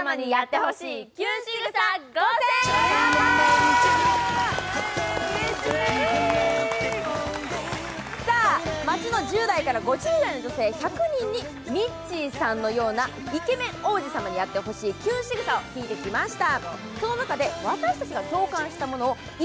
その内容とは街の１０代から５０代の女性１００人にミッチーさんのようなイケメン王子様にやってほしいキュン仕草を聞いてきました。